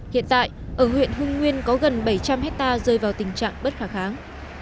hiện tại ở huyện hưng nguyên có gần bảy trăm linh hectare rơi vào tình trạng bất khả kháng